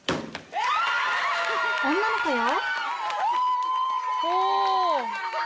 女の子よ。